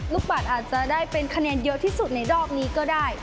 ปัดอาจจะได้เป็นคะแนนเยอะที่สุดในรอบนี้ก็ได้